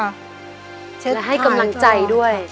และให้กำลังใจด้วย